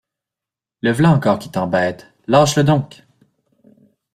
Le v’là encore qui t’embête, lâche-le donc!